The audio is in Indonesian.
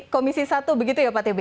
komisi satu begitu ya pak t b